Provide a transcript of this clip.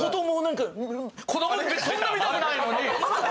子どもそんな見たくないのに。